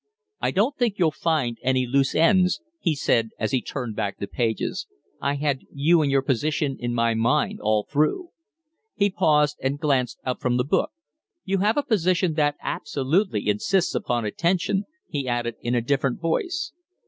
"I don't think you'll find any loose ends," he said, as he turned back the pages. "I had you and your position in my mind all through." He paused and glanced up from the book. "You have a position that absolutely insists upon attention," he added, in a different voice.